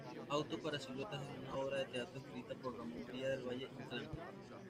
Auto para siluetas es una obra de teatro escrita por Ramón María del Valle-Inclán.